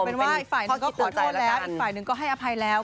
เป็นว่าอีกฝ่ายหนึ่งก็ขอโทษแล้วอีกฝ่ายหนึ่งก็ให้อภัยแล้ว